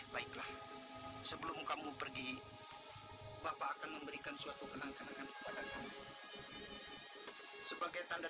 baiklah sebelum kamu pergi bapak akan memberikan suatu kenang kenangan kepada kami sebagai tanda